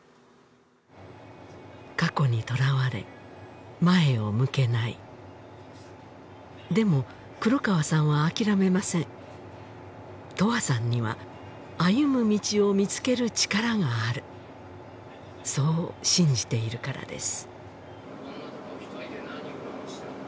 過去にとらわれ前を向けないでも黒川さんは諦めません永遠さんには歩む道を見つける力があるそう信じているからです